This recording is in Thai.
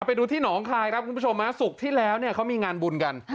ไปดูที่หนองคายครับคุณผู้ชมศุกร์ที่แล้วเนี่ยเขามีงานบุญกัน